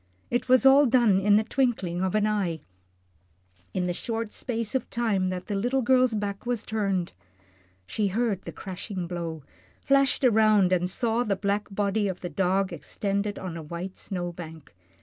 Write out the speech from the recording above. It was all done in the twinkling of an eye in the short space of time that the little girl's back was turned. She heard the crashing blow, flashed around, and saw the black body of the dog extended on a white snow bank.